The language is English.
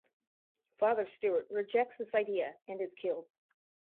Father Stewart rejects this idea and is killed.